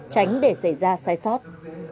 tránh để xảy ra sai sót